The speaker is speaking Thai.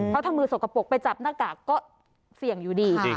เขาทำมือสกปรกไปจับหน้ากากก็เสี่ยงอยู่ดี